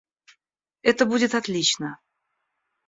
Это будет отлично.